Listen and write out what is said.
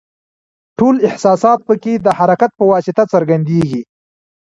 ټول احساسات پکې د حرکت په واسطه څرګندیږي.